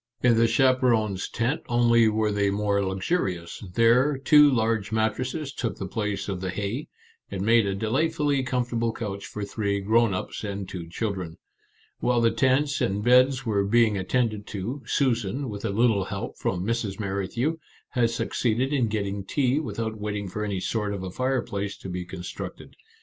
In the chaperons' tent only were they more luxurious ; there, two large mat tresses took the place of the hay, and made a delightfully comfortable couch for three grown ups and two children. While the tents and beds were being attended to, Susan, with a little help from Mrs. Merrithew, had succeeded in getting tea without waiting for any sort of a fireplace to be constructed.